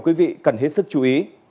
quý vị cần hết sức chú ý